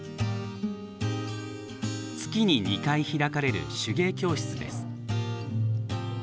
月に２回開かれる手芸教室です